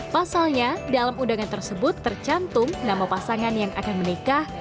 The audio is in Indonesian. pasalnya dalam undangan tersebut tercantum nama pasangan yang akan menikah